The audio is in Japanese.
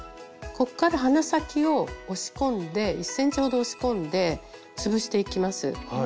こっから鼻先を押し込んで１ｃｍほど押し込んで潰していきます。